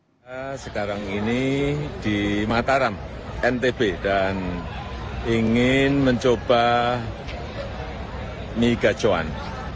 kita sekarang ini di mataram ntb dan ingin mencoba mie gacoan